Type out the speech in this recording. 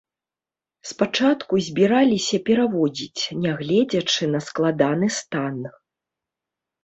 Спачатку збіраліся пераводзіць, нягледзячы на складаны стан.